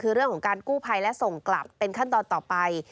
คือเรื่องของการกู้ภัยและส่งกลับเป็นขั้นตอนต่อไป